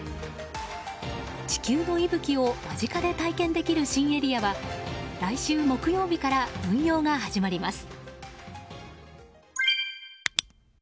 地球の息吹を間近で体験できる新エリアは来週木曜日から運用が始まります。